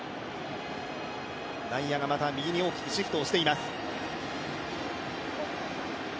内野がまた右に大きくシフトをしています。